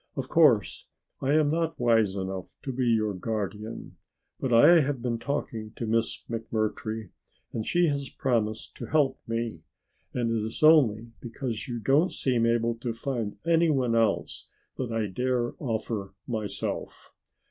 Of course I am not wise enough to be your guardian, but I have been talking to Miss McMurtry and she has promised to help me and it is only because you don't seem able to find anyone else that I dare offer myself."